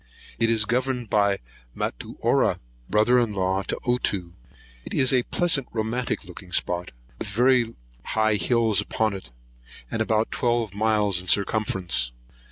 It is governed by Matuara, brother in law to Ottoo. It is a pleasant romantic looking spot, with very high hills upon it, and about twelve miles in circumference.